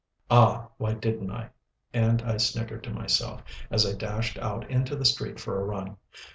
Ah! why didn't I? And I snickered to myself, as I dashed out into the street for a run.